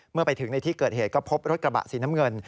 เมื่อไปถึงในที่เกิดเหตุก็พบรถกระบะสีน้ำเงิน